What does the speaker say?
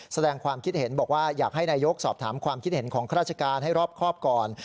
แสดงความคิดเห็นบอกว่าอยากให้นายกสอบถามความคิดเห็นของข้าราชการให้รอบครอบก่อน